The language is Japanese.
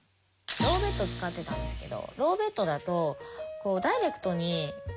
ローベッドを使ってたんですけど。